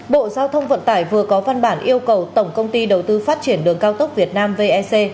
bộ giao thông vận tải vừa có văn bản yêu cầu tổng công ty đầu tư phát triển đường cao tốc việt nam vec